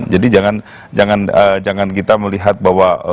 jangan kita melihat bahwa